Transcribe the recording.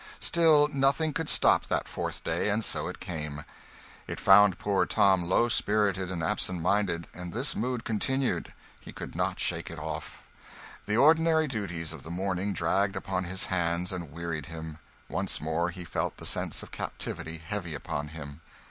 Still, nothing could stop that fourth day, and so it came. It found poor Tom low spirited and absent minded, and this mood continued; he could not shake it off. The ordinary duties of the morning dragged upon his hands, and wearied him. Once more he felt the sense of captivity heavy upon him.